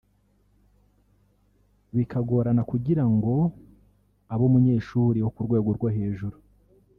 bikagorana kugira ngo abe umunyeshuri wo ku rwego rwo hejuru